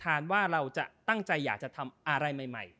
ท้านว่าเราจะตั้งใจจะทำอะไรใหม่